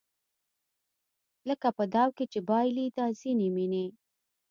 لکه داو کې چې بایلي دا ځینې مینې